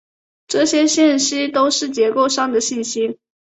这些信息都是结构上的信息。